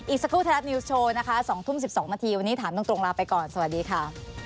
สักครู่ไทยรัฐนิวส์โชว์นะคะ๒ทุ่ม๑๒นาทีวันนี้ถามตรงลาไปก่อนสวัสดีค่ะ